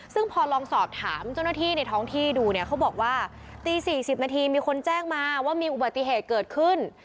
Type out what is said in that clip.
ซึ่งพอลองสอบถามเจ้าหน้าที่ในท้องที่ดูเนี่ยเขาบอกว่าตี๔๐นาทีมีคนแจ้งมาว่ามีอุบัติเหตุเกิดขึ้น